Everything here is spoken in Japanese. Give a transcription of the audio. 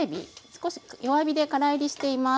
少し弱火でから煎りしています。